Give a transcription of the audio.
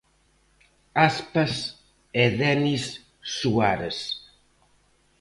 Aspas e Denis Suárez.